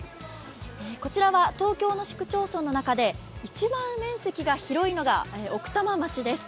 こちらは東京の市区町村の中で一番面積が広いのが奥多摩町です。